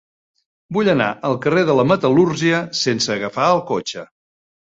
Vull anar al carrer de la Metal·lúrgia sense agafar el cotxe.